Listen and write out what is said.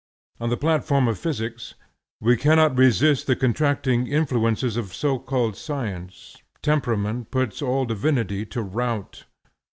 On the platform of physics we cannot resist the contracting influences of so called science. Temperament puts all divinity to rout.